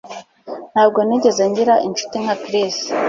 Ntabwo nigeze ngira inshuti nka Chris